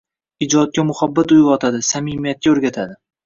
ijodga muhabbat uyg‘otadi, samimiyatga o‘rgatadi.